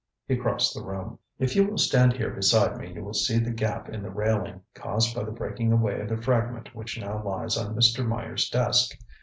He crossed the room. ŌĆ£If you will stand here beside me you will see the gap in the railing caused by the breaking away of the fragment which now lies on Mr. Meyer's desk.